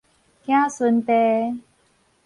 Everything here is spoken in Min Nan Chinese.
囝孫袋